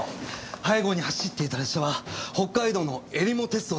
背後に走っていた列車は北海道のえりも鉄道です。